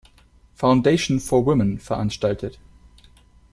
Foundation for Women" veranstaltet.